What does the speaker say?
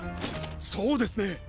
そうですね。